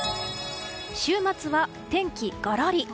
週末は天気ガラリ。